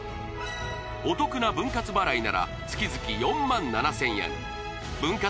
お得な分割払いなら月々４万７０００円分割